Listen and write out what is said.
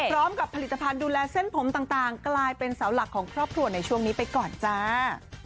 พร้อมกับผลิตภัณฑ์ดูแลเส้นผมต่างกลายเป็นเสาหลักของครอบครัวในช่วงนี้ไปก่อนจ้า